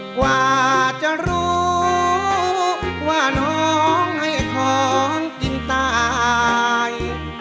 กว่าจะรู้ว่าน้องให้ของกินตาย